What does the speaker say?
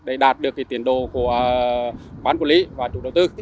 để đạt được tiền đồ của bán quân lý và chủ đầu tư